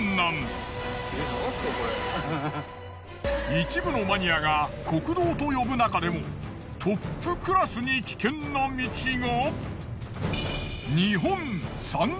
一部のマニアが酷道と呼ぶ中でもトップクラスに危険な道が。